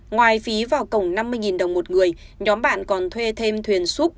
ngoài phí vào cổng năm mươi đồng một người nhóm bạn còn thuê thêm thuyền súp